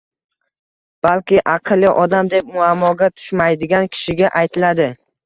balki, aqlli odam deb muammoga tushmaydigan kishiga aytiladi.